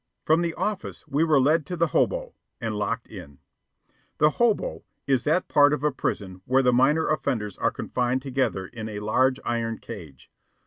From the office we were led to the "Hobo" and locked in. The "Hobo" is that part of a prison where the minor offenders are confined together in a large iron cage.